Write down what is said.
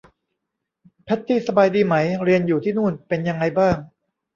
แพทตี้สบายดีไหม เรียนอยู่ที่นู่นเป็นยังไงบ้าง